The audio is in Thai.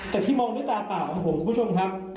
แต่ที่มองด้วยตาเปล่าของผมคุณผู้ชมครับ